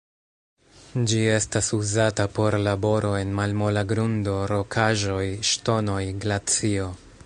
Ĝi estas uzata por laboro en malmola grundo, rokaĵoj, ŝtonoj, glacio.